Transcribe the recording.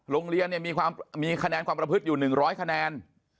โรงเรียนเนี่ยมีคะแนนความประพฤติอยู่๑๐๐คะแนน